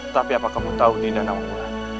tapi apa kamu tahu di danau bulan